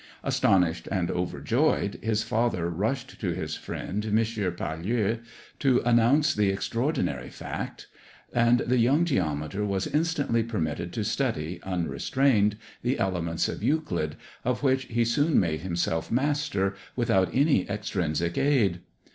Astonished and overjoyed, his father rushed to his friend, M. Pailleur, to announce the extraordinary fact; and the young geometer was instantly permitted to study, unrestrained, the Elements of Euclid, of which he soon made himself master, without any extrinsic aid.